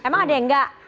emang ada yang enggak